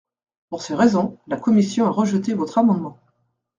Pour ces raisons, la commission a rejeté votre amendement.